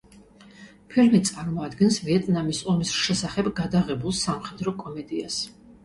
ფილმი წარმოადგენს ვიეტნამის ომის შესახებ გადაღებულ სამხედრო კომედიას.